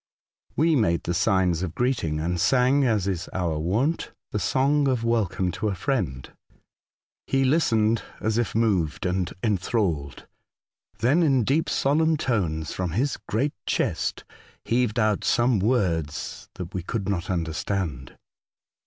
We made the signs of greeting and sang, as i^s our wont, the song of welcome to a friend. He listened, as if moved and enthralled, then in deep solemn tones, from his great chest, heaved out some words that we could not understand.